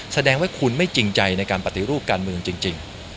แสดงว่าคุณไม่จริงใจในการปฏิรูปการเมืองจริง